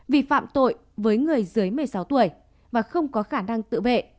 vì phạm tội với người dưới một mươi sáu tuổi và không có khả năng tự vệ